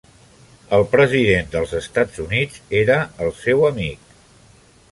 El president dels Estats Units era el seu amic.